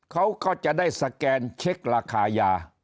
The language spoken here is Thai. เขาก็จะได้สแกนเช็คราคายา